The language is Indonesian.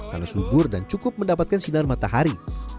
karena subur dan cukup mendapatkan sinar matahari